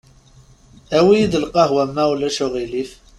Awi-yi-d lqehwa, ma ulac aɣilif.